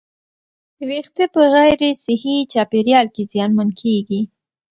ویښتې په غیر صحي چاپېریال کې زیانمن کېږي.